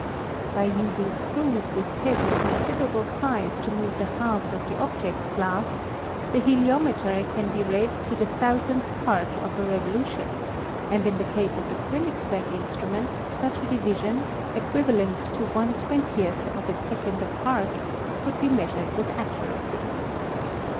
By using screws with heads of considerable size to move the halves of the object glass, the heliometer can be read to the thousandth part of a revolution, and in the case of the Konigsberg instrument such a division, equivalent to 1 / 20 of a second of arc, could be measured with accuracy.